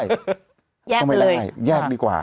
แยกไปเลยแยกดีกว่า